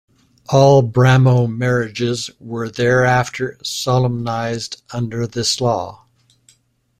All Brahmo marriages were thereafter solemnised under this law.